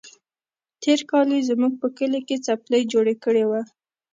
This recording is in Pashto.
تېر کال يې زموږ په کلي کې څپلۍ جوړه کړې وه.